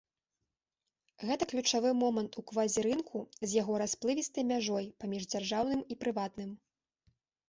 Гэта ключавы момант у квазірынку з яго расплывістай мяжой паміж дзяржаўным і прыватным.